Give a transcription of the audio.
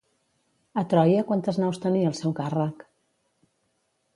A Troia quantes naus tenia al seu càrrec?